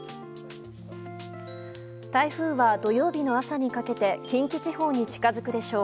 台風は土曜日の朝にかけて近畿地方に近づくでしょう。